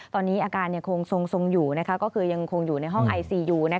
ตอนนี้อาการยังคงทรงอยู่ก็คือยังคงอยู่ในห้องไอซียู